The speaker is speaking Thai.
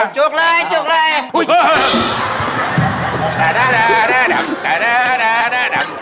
จุกเลยจุกเลย